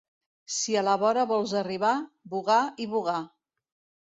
Si a la vora vols arribar, vogar i vogar.